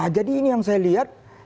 jadi ini yang saya lihat